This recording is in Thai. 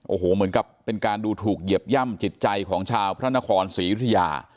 โอ้โหเหมือนกับเป็นการดูถูกเหยียบย่ำจิตใจของชาวพระนครศรียุธยา